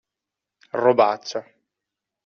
Robaccia.